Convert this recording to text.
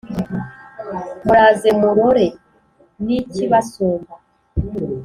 Muraze mumurore nikibasumba